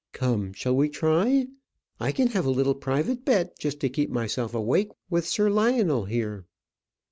Come, shall we try? I can have a little private bet, just to keep myself awake, with Sir Lionel, here."